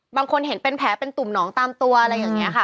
บางคนเห็นเป็นแผลเป็นตุ่มหนองตามตัวอะไรอย่างนี้ค่ะ